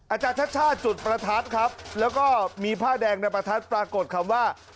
อาจารย์ชาติชาติจุดประทัดครับแล้วก็มีผ้าแดงในประทัดปรากฏคำว่า